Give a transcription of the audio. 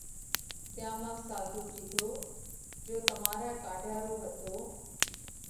تيا مانھ ساڌُو ڪيڌو جيو تمارئہ ڪاڍيا رو ھتو